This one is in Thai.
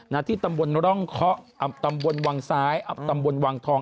ที่ตำบลร่องเคาะตำบลวังซ้ายอับตำบลวังทอง